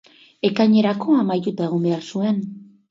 Ekainerako amaituta behar zuen.